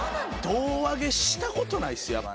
胴上げした事ないですやっぱ。